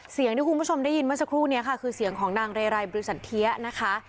เสียงที่คุณผู้ชมได้ยินเมื่อสักครู่นี้ค่ะคือเสียงของนางเรไรบริสันเทียนะคะ